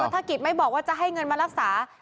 ถ้ากิจไม่บอกว่าจะให้เงินมารักษา